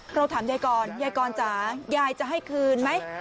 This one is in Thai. เราถามยายกรยายกรจ๋ายายจะให้คืนไหม